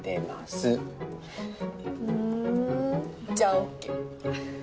ふんじゃＯＫ。